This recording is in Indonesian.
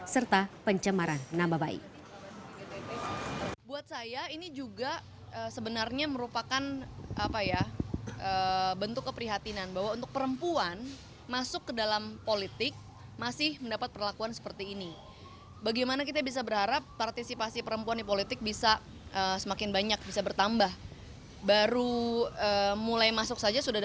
serta pencemaran nama baik